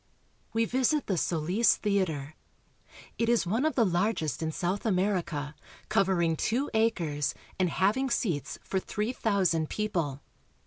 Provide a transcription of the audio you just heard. We visit the Solis Theater. It is one of the largest in South America, covering two acres and having seats for three thousand people.